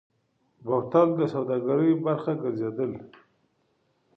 بوتل د سوداګرۍ برخه ګرځېدلی.